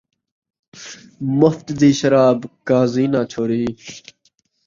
مفت دی شراب قاضی ناں چھوڑی